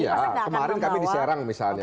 iya kemarin kami diserang misalnya